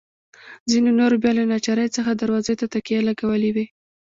ځینو نورو بیا له ناچارۍ څخه دروازو ته تکیې لګولي وې.